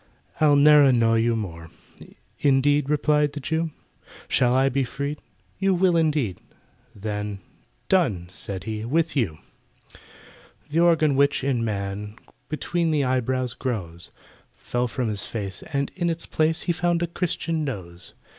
"I'll ne'er annoy you more." "Indeed?" replied the Jew; "Shall I be freed?" "You will, indeed!" Then "Done!" said he, "with you!" The organ which, in man, Between the eyebrows grows, Fell from his face, and in its place He found a Christian nose.